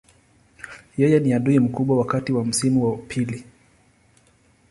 Yeye ni adui mkubwa wakati wa msimu wa pili.